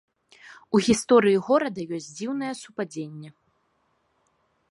У гісторыі горада ёсць дзіўнае супадзенне.